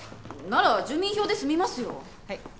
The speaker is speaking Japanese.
なら住民票で済みますよ。